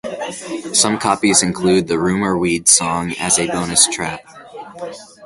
Some copies include "The Rumor Weed Song" as a bonus track.